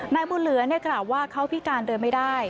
นายบุญเหลือกล่าวว่าเขาพิการเดินไม่ได้